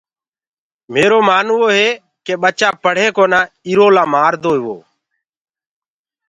ميرو مآنوو هي ڪي ٻچآ پڙهين ڪونآ ايرو لآ مآدوئي تو